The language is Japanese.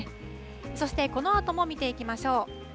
そしてこのあとも見ていきましょう。